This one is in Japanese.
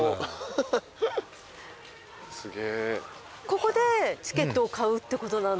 ここでチケットを買うってことなんだ。